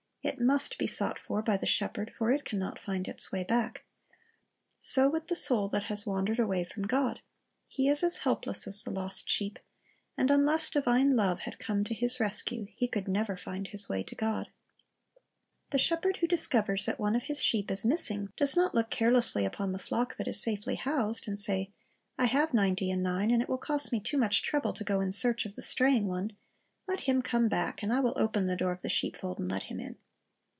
It must be sought for by the shepherd, for it can not find its way back. So with the soul that has wandered away from God; he is as helpless as the lost sheep, and unless divine love had come to his rescue, he could never find his way to God. The shepherd who discovers that one of his sheep is missing, does not look carelessly upon the flock that is safely housed, and say, "I have ninety and nine, and it will cost me too much trouble to go in search of the straying one. ' Eze. 34 : 12 i88 Christ's Object Lessons Let him come back, and I will open the door of the sheepfold, and let him in."